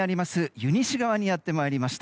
湯西川にやってまいりました。